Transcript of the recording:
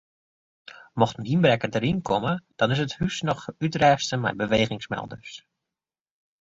Mocht in ynbrekker deryn komme dan is it hús noch útrêste mei bewegingsmelders.